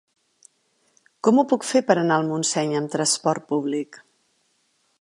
Com ho puc fer per anar a Montseny amb trasport públic?